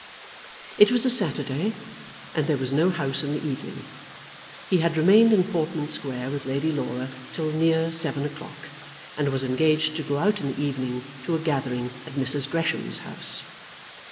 It was a Saturday, and there was no House in the evening. He had remained in Portman Square with Lady Laura till near seven o'clock, and was engaged to go out in the evening to a gathering at Mrs. Gresham's house.